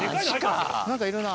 何かいるな。